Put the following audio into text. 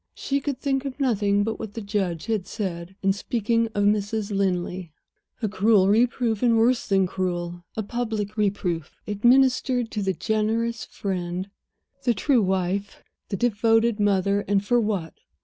She could think of nothing but what the judge had said, in speaking of Mrs. Linley. A cruel reproof, and worse than cruel, a public reproof, administered to the generous friend, the true wife, the devoted mother and for what?